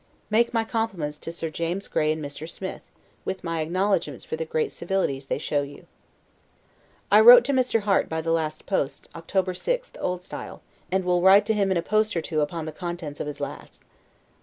Make my compliments to Sir James Gray and Mr. Smith, with my acknowledgments for the great civilities they show you. I wrote to Mr. Harte by the last post, October the 6th, O. S., and will write to him in a post or two upon the contents of his last.